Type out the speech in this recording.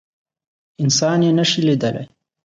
انسان يي نشي لیدلی